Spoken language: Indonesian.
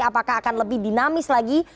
apakah akan lebih dinamis lagi